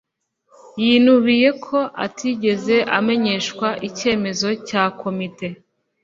yinubiye ko atigeze amenyeshwa icyemezo cya komite